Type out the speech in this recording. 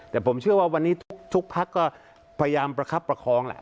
แต่ผมเชื่อว่าวันนี้ทุกพักก็พยายามประคับประคองแหละ